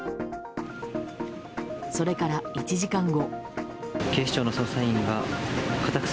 それから１時間後。